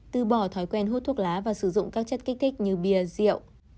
từ bỏ thói quen hút thuốc lá và sử dụng các chất kích thích như bia rượu